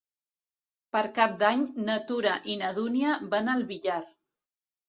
Per Cap d'Any na Tura i na Dúnia van al Villar.